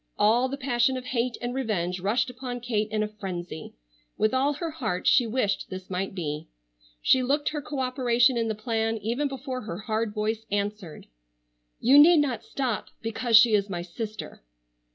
All the passion of hate and revenge rushed upon Kate in a frenzy. With all her heart she wished this might be. She looked her co operation in the plan even before her hard voice answered: "You need not stop because she is my sister."